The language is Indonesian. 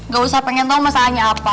gak usah pengen tahu masalahnya apa